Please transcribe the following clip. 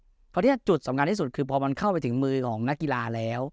เพราะเนี่ยจุดสำคัญที่สุดคือพอมันเข้าไปถึงมือของนักกีฬาแล้ว